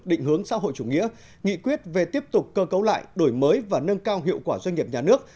định hướng xã hội chủ nghĩa nghị quyết về tiếp tục cơ cấu lại đổi mới và nâng cao hiệu quả doanh nghiệp nhà nước